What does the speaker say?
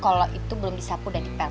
kalau itu belum disapu dan dipel